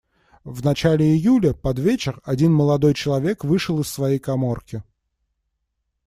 В начале июля, под вечер, один молодой человек вышел из своей каморки.